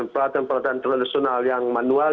peralatan peralatan tradisional yang manual